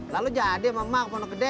lalu jadi sama emak di pondok gede